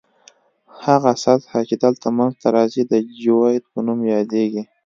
هغه سطح چې دلته منځ ته راځي د جیوئید په نوم یادیږي